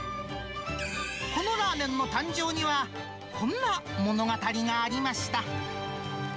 このラーメンの誕生には、こんな物語がありました。